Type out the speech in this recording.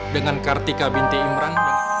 dengan kartika binti imran